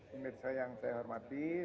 indonesia yang saya hormati